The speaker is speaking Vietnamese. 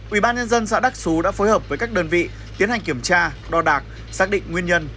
ủy ban nhân dân xã đắc xú đã phối hợp với các đơn vị tiến hành kiểm tra đo đạc xác định nguyên nhân